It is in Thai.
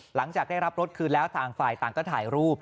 หลังจากได้รับรถคืนแล้วต่างฝ่ายต่างก็ถ่ายรูป